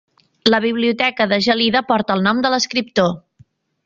La biblioteca de Gelida porta el nom de l'escriptor.